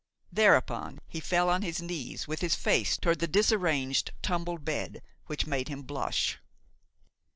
Thereupon he fell on his knees with his face toward that disarranged, tumbled bed which made him blush.